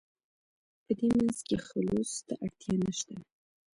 په دې منځ کې خلوص ته اړتیا نشته.